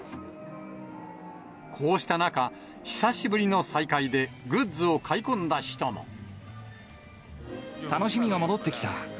こうした中、久しぶりの再開で、グッズを買い込んだ人も。楽しみが戻ってきた。